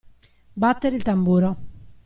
Battere il tamburo.